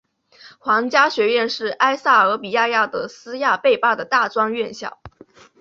皇家学院是埃塞俄比亚亚的斯亚贝巴的大专院校。